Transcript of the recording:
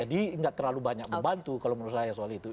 jadi nggak terlalu banyak membantu kalau menurut saya soal itu